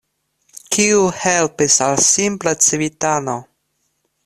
Kiu helpis al simpla civitano?